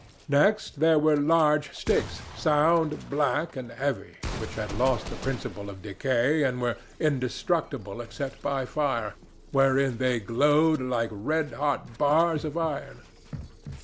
Next there were large sticks, sound, black and heavy, which had lost the principle of decay and were indestructible except by fire, wherein they glowed like red hot bars of iron.